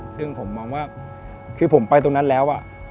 ซึ่งผมมองว่าคือผมไปตรงนั้นแล้ว